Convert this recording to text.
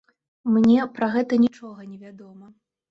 Мне пра гэта нічога не вядома.